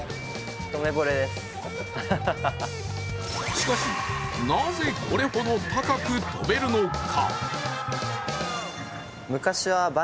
しかし、なぜこれほど高く跳べるのか。